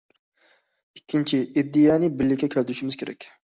ئىككىنچى، ئىدىيەنى بىرلىككە كەلتۈرۈشىمىز كېرەك.